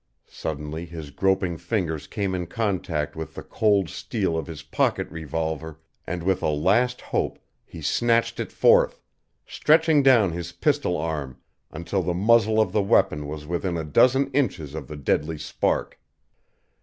Suddenly his groping fingers came in contact with the cold steel of his pocket revolver and with a last hope he snatched it forth, stretching down his pistol arm until the muzzle of the weapon was within a dozen inches of the deadly spark.